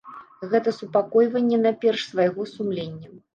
Гэта супакойванне найперш свайго сумлення.